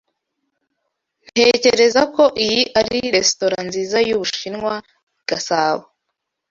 Ntekereza ko iyi ari resitora nziza yubushinwa i Gasabo.